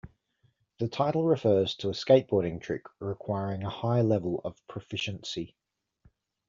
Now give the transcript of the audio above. The title refers to a skateboarding trick requiring a high level of proficiency.